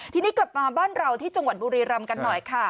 ทีนี้กลับมาบ้านเราที่จังหวัดบุรีรำกันหน่อยค่ะ